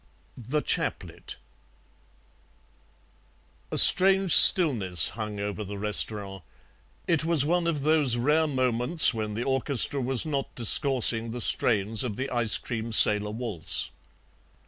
THE CHAPLET A strange stillness hung over the restaurant; it was one of those rare moments when the orchestra was not discoursing the strains of the Ice cream Sailor waltz.